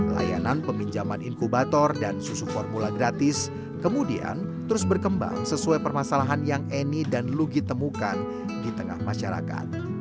layanan peminjaman inkubator dan susu formula gratis kemudian terus berkembang sesuai permasalahan yang eni dan lugi temukan di tengah masyarakat